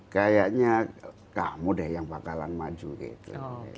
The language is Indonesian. kayaknya kamu deh yang bakalan maju gitu